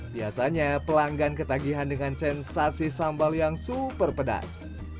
biasanya pelanggan ketagihan dengan sensasi sambal yang super pedas